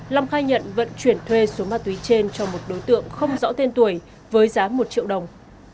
long khai nhận vận chuyển thuê số ma túy trên cho một đối tượng không rõ tên tuổi với giá một triệu đồng